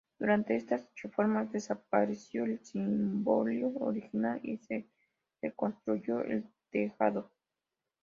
Durante estas reformas, desapareció el cimborrio original y se reconstruyó el tejado.